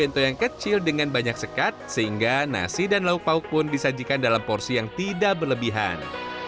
untuk yang kecil dengan banyak sekat sehingga nasi dan lauk pauk pun disajikan dalam porsi yang tidak berlebihan